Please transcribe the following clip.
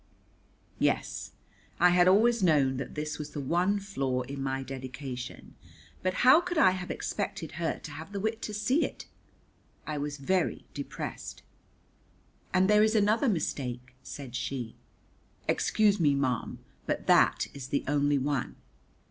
Yes, I had always known that this was the one flaw in my dedication, but how could I have expected her to have the wit to see it? I was very depressed. "And there is another mistake," said she. "Excuse me, ma'am, but that is the only one."